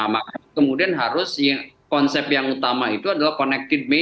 maka kemudian harus konsep yang utama itu adalah connected may